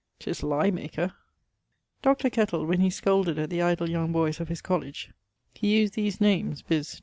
''tis Lyemaker.' Dr. Kettle, when he scolded at the idle young boies of his colledge, he used these names, viz.